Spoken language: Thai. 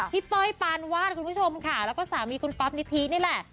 เป้ยปานวาดคุณผู้ชมค่ะแล้วก็สามีคุณป๊อปนิธินี่แหละ